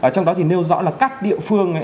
trong đó thì nêu rõ là các địa phương